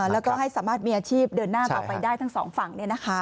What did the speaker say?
แล้วก็ให้สามารถมีอาชีพเดินหน้าต่อไปได้ทั้งสองฝั่ง